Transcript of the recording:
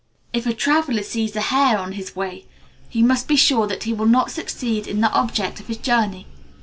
If a traveller sees a hare on his way, he may be sure that he will not succeed in the object of his journey.